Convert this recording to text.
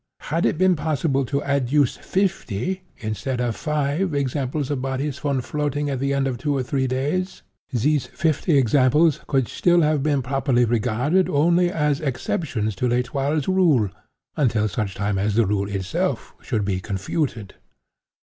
Had it been possible to adduce fifty instead of five examples of bodies found floating at the end of two or three days, these fifty examples could still have been properly regarded only as exceptions to L'Etoile's rule, until such time as the rule itself should be confuted.